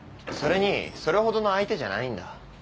それにそれほどの相手じゃないんだ。